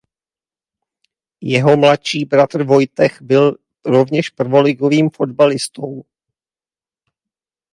Jeho mladší bratr Vojtech byl rovněž prvoligovým fotbalistou.